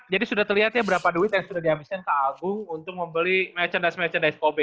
jadi sudah terlihat ya berapa duit yang sudah dihabiskan kak agung untuk membeli merchandise merchandise kobe ya